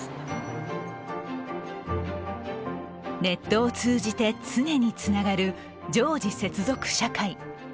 ネットを通じて常につながる常時接続社会。